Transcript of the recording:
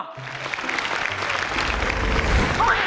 โอ้โฮ